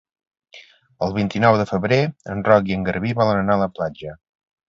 El vint-i-nou de febrer en Roc i en Garbí volen anar a la platja.